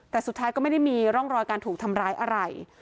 แต่สุดท้ายก็ไม่ได้มีร่องรอยการถูกทำร้ายอะไร